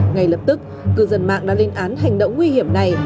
ngay lập tức cư dân mạng đã lên án hành động nguy hiểm này